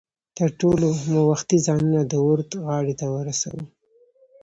تر ټولو مو وختي ځانونه د ورد غاړې ته ورسو.